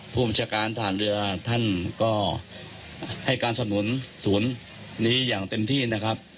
ผู้บัญชาการฐานเรือท่านก็ให้การสนุนศูนย์นี้อย่างเต็มที่นะครับ